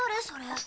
それ。